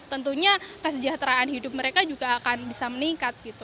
tentunya kesejahteraan hidup mereka juga akan bisa meningkat